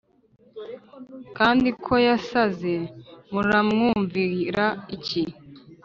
kandi ko yasaze Muramwumvira iki